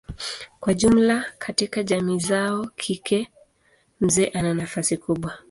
Kwa jumla katika jamii zao kike mzee ana nafasi kubwa.